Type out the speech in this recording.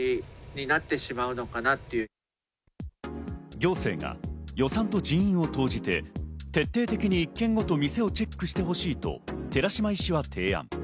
行政が予算と人員を投じて徹底的に一軒ごと店をチェックしてほしいと寺嶋医師は提案。